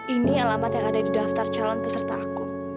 ini alamat yang ada di daftar calon peserta aku